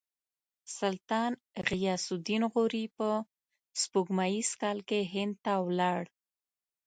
سلطان غیاث الدین غوري په سپوږمیز کال کې هند ته ولاړ.